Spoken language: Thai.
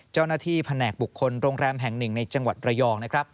เจ้าหน้าที่แผนกบุคคลโรงแรมแห่ง๑ในจังหวัดระยอง